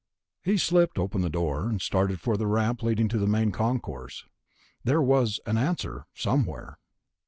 He slipped open the door, and started for the ramp leading to the Main Concourse. There was an answer, somewhere.